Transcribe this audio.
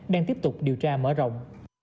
đang tiếp tục điều tra mở rộng